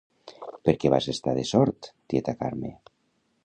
—Per què vas estar de sort, tieta Carme?